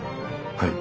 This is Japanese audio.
はい。